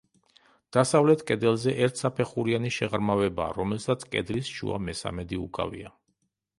დასავლეთ კედელზე ერთსაფეხურიანი შეღრმავებაა, რომელსაც კედლის შუა მესამედი უკავია.